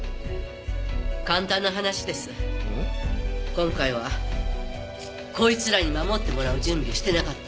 今回はこいつらに守ってもらう準備をしてなかったんです。